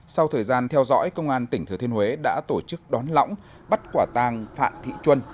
sau thời gian theo dõi công an tỉnh thừa thiên huế đã tổ chức đón lõng bắt quả tàng phạm thị chuân